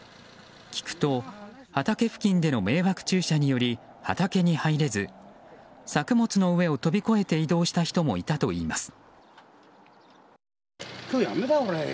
聞くと、畑付近での迷惑駐車により畑に入れず作物の上を飛び越えて移動した人もいたといいます。